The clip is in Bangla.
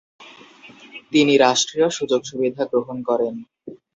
তিনি রাষ্ট্রীয় সুযোগ সুবিধা গ্রহণ করেন।